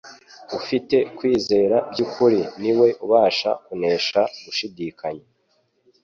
Ufite kwizera by'ukuri ni we ubasha kunesha gushidikanya